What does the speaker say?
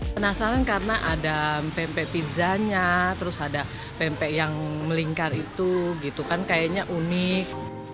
penasaran karena ada pempek pizzanya terus ada pempek yang melingkar itu gitu kan kayaknya unik